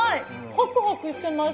ホクホクしてます。